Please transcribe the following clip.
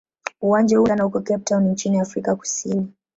Uwanja huu unapatikana huko Cape Town nchini Afrika Kusini.